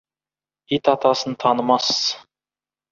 Ит атасын танымас.